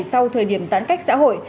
sau thời điểm giãn cách xã hội